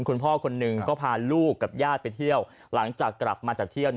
คุณพ่อคนหนึ่งก็พาลูกกับญาติไปเที่ยวหลังจากกลับมาจากเที่ยว